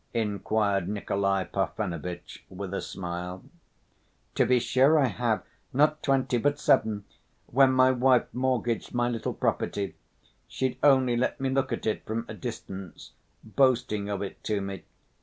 inquired Nikolay Parfenovitch, with a smile. "To be sure I have, not twenty, but seven, when my wife mortgaged my little property. She'd only let me look at it from a distance, boasting of it to me.